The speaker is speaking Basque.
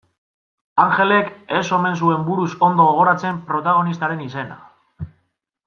Anjelek ez omen zuen buruz ondo gogoratzen protagonistaren izena.